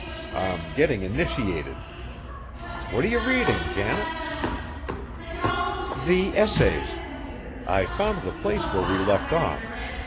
I'm getting initiated. What are you reading, Janet?" "The Essays. I found the place where we left off.